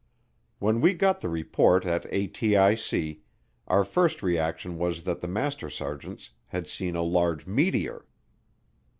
When we got the report at ATIC, our first reaction was that the master sergeants had seen a large meteor.